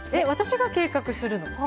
私が計画するの？